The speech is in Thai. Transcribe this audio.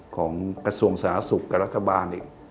กระทรวงสาธารณสุขกับรัฐบาลอีก